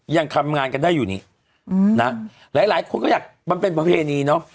ยังทำงานกันได้อยู่นี่นะหลายหลายคนก็อยากมันเป็นประเพณีเนอะ